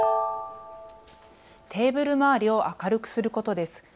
テーブル周りを明るくすることです。